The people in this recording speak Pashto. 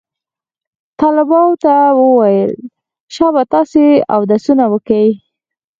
طلباو ته يې وويل شابه تاسې اودسونه وکئ.